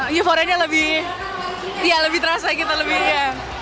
euforianya lebih ya lebih terasa kita lebih ya